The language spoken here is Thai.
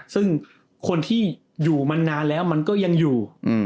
ซึ่งคนที่อยู่มันนานแล้วมันก็ยังอยู่